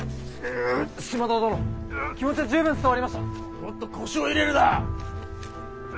もっと腰を入れるだ！